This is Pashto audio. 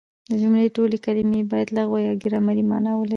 د جملې ټولي کلیمې باید لغوي يا ګرامري مانا ولري.